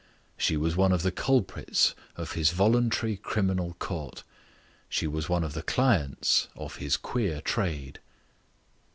She was one of the culprits of his Voluntary Criminal Court. She was one of the clients of his Queer Trade.